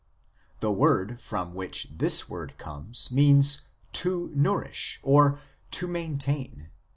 The word from which this word comes (epn) means " to nourish " or "to maintain."